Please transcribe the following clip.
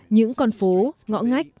những con phố ngõ ngách